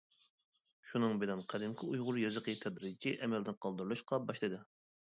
شۇنىڭ بىلەن قەدىمكى ئۇيغۇر يېزىقى تەدرىجىي ئەمەلدىن قالدۇرۇلۇشقا باشلىدى.